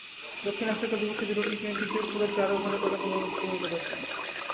দক্ষিণ আফ্রিকার বিপক্ষে দুটো টি-টোয়েন্টিতেও পুরো চার ওভারের কোটা পূরণ করেছেন।